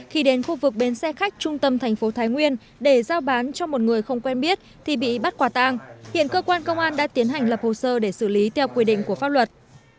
khi đến khu vực bến xe khách trung tâm thành phố thái nguyên để giao bán cho một người không quen biết thì bị bắt quả tang hiện cơ quan công an đã tiến hành lập hồ sơ để xử lý theo quy định của pháp luật